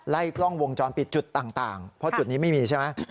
กล้องวงจรปิดจุดต่างเพราะจุดนี้ไม่มีใช่ไหม